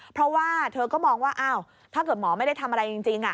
เพราะว่าเธอก็มองว่าอ้าวถ้าเกิดหมอไม่ได้ทำอะไรจริง